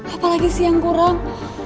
apalagi sih yang kurang